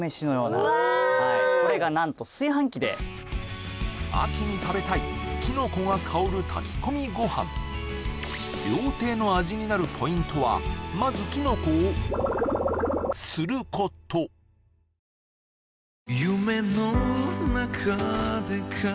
これが何と炊飯器で秋に食べたいキノコが香る炊き込みご飯料亭の味になるポイントはまずキノコを○○○すること肝は冷えるがうわ！